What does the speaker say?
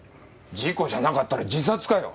事故じゃなかったら自殺かよ？